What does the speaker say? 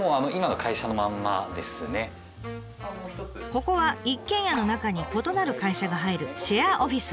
ここは一軒家の中に異なる会社が入るシェアオフィス。